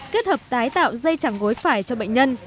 kết hợp tái tạo dây chẳng gối phải cho bệnh nhân